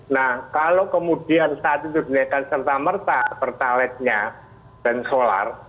nah kalau kemudian saat itu dinaikkan serta merta pertaletnya dan solar